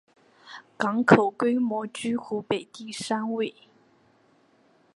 港口规模居湖北省第三位。